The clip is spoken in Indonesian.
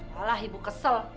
yalah ibu kesel